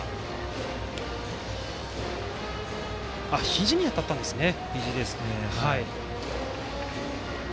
ひじに当たったんですね。